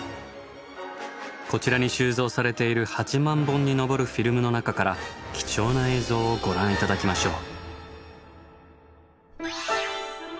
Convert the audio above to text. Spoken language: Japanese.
こちらに収蔵されている８万本に上るフィルムの中から貴重な映像をご覧頂きましょう。